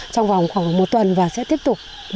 trong vòng khoảng một tuần và sẽ tiếp tục